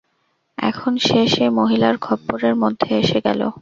এখন সে সেই মহিলার খপ্পরের মধ্যে এসে গেল।